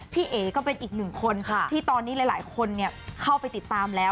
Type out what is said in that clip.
เอ๋ก็เป็นอีกหนึ่งคนที่ตอนนี้หลายคนเข้าไปติดตามแล้ว